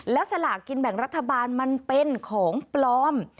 แล้วสลากกินแบ่งรัฐบาลมันเป็นของปลอม